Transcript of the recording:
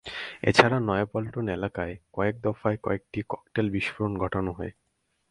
এছাড়া নয়া পল্টন এলাকায় কয়েক দফায় কয়েকটি ককটেলের বিস্ফোরণ ঘটানো হয়।